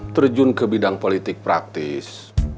terjun ke bidang politik praktis